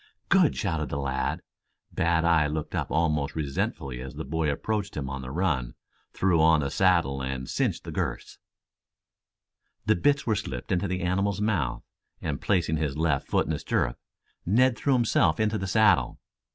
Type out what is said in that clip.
"Good!" shouted the lad. Bad eye looked up almost resentfully as the boy approached him on the run, threw on the saddle and cinched the girths. The hits were slipped into the animal's mouth, and, placing his left foot in the stirrup, Ned threw himself into the saddle.